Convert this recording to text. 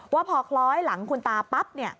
ว่าพอคล้อยหลังคุณตาปั๊บ